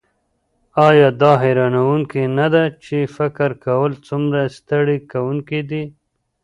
ایا دا حیرانوونکې نده چې فکر کول څومره ستړي کونکی دي